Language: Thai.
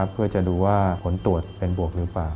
เพื่อจะดูว่าผลตรวจเป็นบวกหรือเปล่า